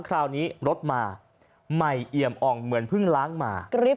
คราวนี้รถมาใหม่เอี่ยมอ่องเหมือนเพิ่งล้างมา